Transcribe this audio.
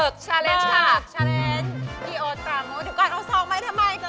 คืออะไรคะทีมงาน